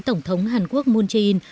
tổng thống hàn quốc moon jae in